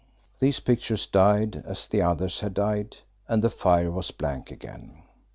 These pictures died as the others had died, and the fire was blank again.